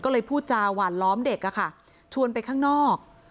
ก็เลยพูดจาหวานล้อมเด็กอะค่ะชวนไปข้างนอก